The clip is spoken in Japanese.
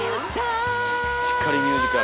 しっかりミュージカル。